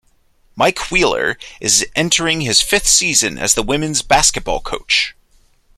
Mike Wheeler is entering his fifth season as the women's basketball coach.